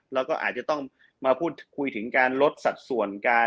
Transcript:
แล้วก็อาจจะต้องมาพูดคุยถึงการลดสัดส่วนการ